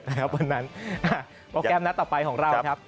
นะครับวันนั้นโปรแก้มนัดต่อไปของเรานะครับ